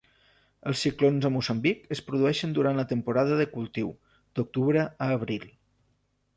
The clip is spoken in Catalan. Els ciclons a Moçambic es produeixen durant la temporada de cultiu, d'octubre a abril.